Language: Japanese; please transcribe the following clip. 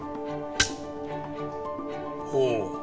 ほう。